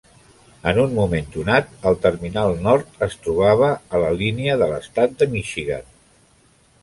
En un moment donat, el terminal nord es trobava a la línia de l'estat de Michigan.